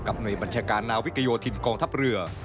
หน่วยบัญชาการนาวิกโยธินกองทัพเรือ